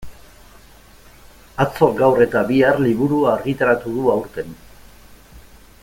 Atzo, gaur eta bihar liburua argitaratu du aurten.